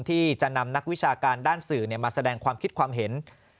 ที่จะนำนักวิชาการด้านสื่อมาแสดงความคิดความเห็น